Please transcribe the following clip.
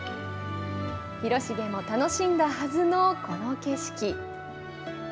広重も楽しんだはずのこの景色。